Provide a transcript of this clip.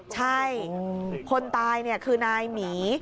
ใช่คนตายเนี่ยคือนายหมี